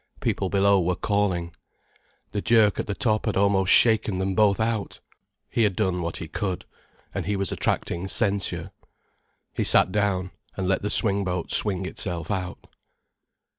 People below were calling. The jerk at the top had almost shaken them both out. He had done what he could—and he was attracting censure. He sat down, and let the swingboat swing itself out.